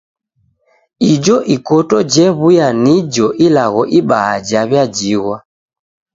Ijo ikoto jew'uya nijo ilagho ibaa jaw'iajighwa